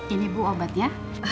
ini bu obatnya